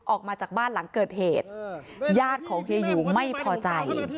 ออกมาจากบ้านหลังเกิดเหตุญาติของเฮียหยูงไม่พอใจ